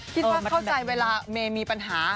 คิดว่าเข้าใจเวลาเมย์มีปัญหา